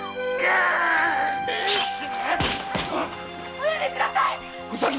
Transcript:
お止めください！